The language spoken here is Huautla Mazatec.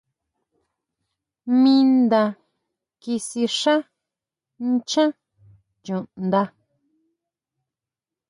Mi nda kisixá nchá chuʼnda.